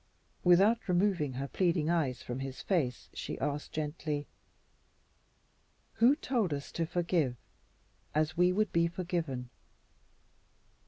Without removing her pleading eyes from his face she asked gently, "Who told us to forgive as we would be forgiven?